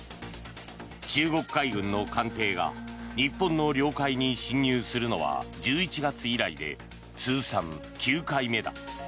中国海軍の艦艇が日本の領海に侵入するのは１１月以来で通算９回目だ。